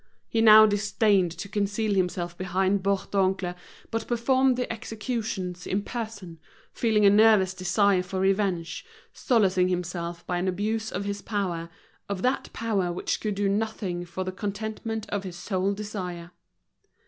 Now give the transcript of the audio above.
He now disdained to conceal himself behind Bourdoncle, but performed the executions in person, feeling a nervous desire for revenge, solacing himself by an abuse of his power, of that power which could do nothing for the contentment of his sole desire.